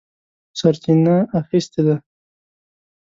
سرچینه اخیستې ده.